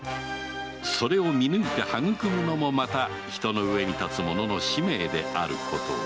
それを見抜いて育むのもまた人の上に立つ者の使命であることを